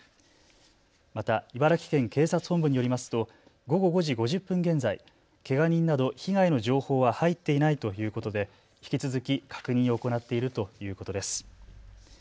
また茨城県警察本部によりますと午後５時５０分現在、けが人など被害の情報は入っていないということで引き続き確認を行っているということです。